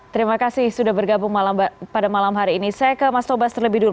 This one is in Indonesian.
terima kasih sudah bergabung pada malam hari ini saya ke mas tobas terlebih dulu